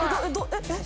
えっ！